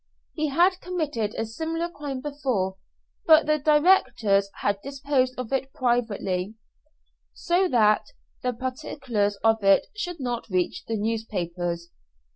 He had committed a similar crime before, but the directors had disposed of it privately, so that the particulars of it should not reach the newspapers.